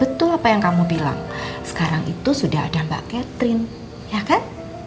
betul apa yang kamu bilang sekarang itu sudah ada mbak catherine ya kan